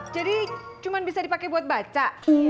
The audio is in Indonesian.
jadi cuma bisa dipake buat baca